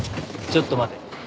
ちょっと待て。